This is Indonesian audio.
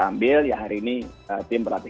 ambil ya hari ini tim pelatih